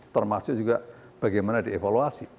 termasuk juga bagaimana dievaluasi